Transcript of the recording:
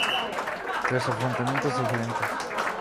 Tres afloramientos diferentes.